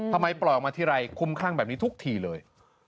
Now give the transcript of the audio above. ปล่อยออกมาทีไรคุ้มคลั่งแบบนี้ทุกทีเลย